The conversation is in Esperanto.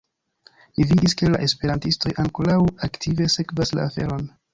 Ni vidis, ke la esperantistoj ankoraŭ aktive sekvas la aferon.